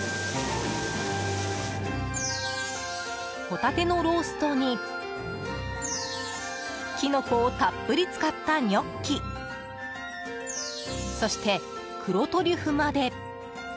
帆立のローストにキノコをたっぷり使ったニョッキそして黒トリュフまで。